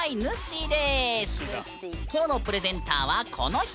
きょうのプレゼンターはこの人！